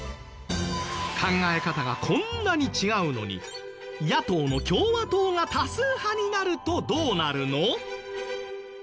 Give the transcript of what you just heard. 考え方がこんなに違うのに野党の共和党が多数派になるとどうなるの？